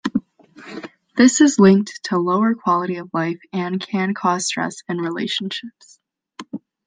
This is linked to lower quality of life and can cause stress in relationships.